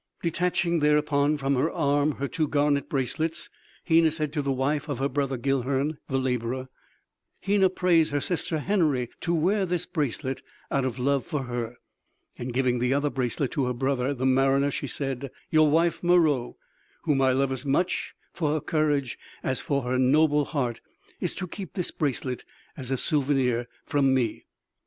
Detaching thereupon from her arm her two garnet bracelets, Hena said to the wife of her brother Guilhern, the laborer: "Hena prays her sister Henory to wear this bracelet out of love for her." And giving the other bracelet to her brother the mariner she said: "Your wife, Meroë, whom I love as much for her courage as for her noble heart, is to keep this bracelet as a souvenir from me."